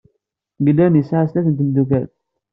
Glenn yesɛa snat n tmeddukal.